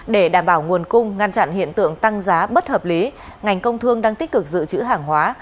để đảm bảo nguồn cung ngăn chặn hiện tượng tăng giá bất hợp lý ngành công thương đang tích cực dự trữ hàng hóa